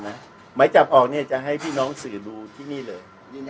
หมายจับออกจะให้พี่น้องสื่อดูที่นี่เลย